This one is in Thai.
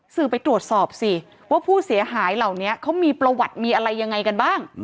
ไปตรวจสอบสิว่าผู้เสียหายเหล่านี้เขามีประวัติมีอะไรยังไงกันบ้าง